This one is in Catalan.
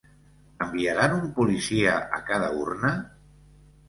Enviaran un policia a cada urna?